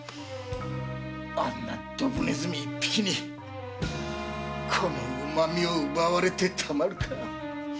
あんなドブ鼠一匹にこの旨みを奪われてたまるか！